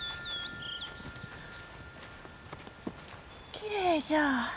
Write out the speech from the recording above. きれいじゃ。